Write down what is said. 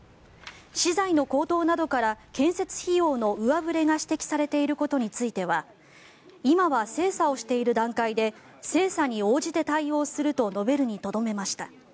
資材の高騰などから建設費用の上振れが指摘されていることについては今は精査をしている段階で精査に応じて対応すると述べるにとどめました。